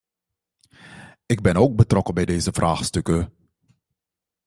Ik ben ook betrokken bij deze vraagstukken.